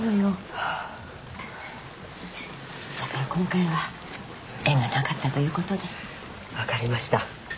はぁだから今回は縁がなかったということで分かりました